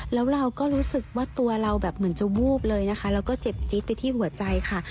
แล้วเราก็รู้สึกว่าตัวเราแบบเหมือนจะวูบเลยนะคะแล้วก็เจ็บจี๊ดไปที่หัวใจค่ะ